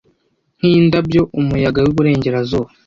Nkindabyo Umuyaga wiburengerazuba!